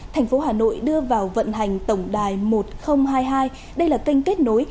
thành phố hà nội đưa vào vận hành tổng đài một nghìn hai mươi hai đây là kênh kết nối